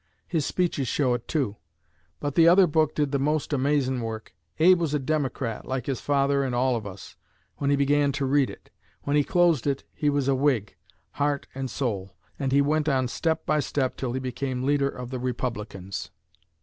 His speeches show it, too. But the other book did the most amazin' work. Abe was a Democrat, like his father and all of us, when he began to read it. When he closed it he was a Whig, heart and soul, and he went on step by step till he became leader of the Republicans."